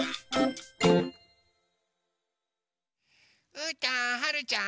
うーたんはるちゃん